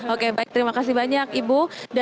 oke baik terima kasih banyak ibu